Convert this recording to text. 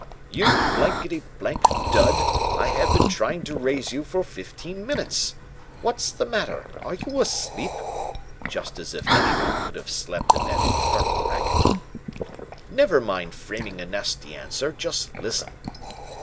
"'You blankety blank dud, I have been trying to raise you for fifteen minutes. What's the matter, are you asleep?' (Just as if anyone could have slept in that infernal racket!) 'Never mind framing a nasty answer. Just listen.'